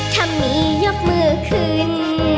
ทำมียอบมือคืน